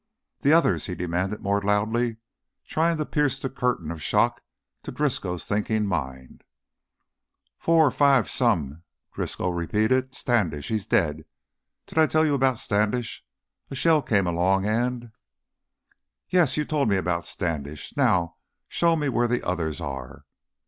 "The others!" he demanded more loudly, trying to pierce the curtain of shock to Driscoll's thinking mind. "Four ... five ... some " Driscoll repeated. "Standish, he's dead. Did I tell you about Standish? A shell came along and " "Yes, you told me about Standish. Now show me where the others are!"